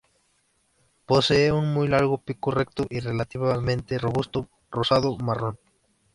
Posee un muy largo pico recto y relativamente robusto rosado-marrón.